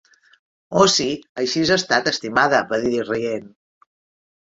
"Oh, sí, així ha estat, estimada", va dir rient.